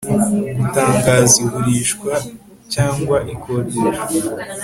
gutangaza igurishwa cyangwa ikodeshwa